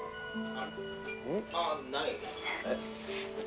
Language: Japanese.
ああない。